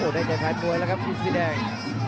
โอ้โหได้ใจแพทย์มวยแล้วครับอินซีแดง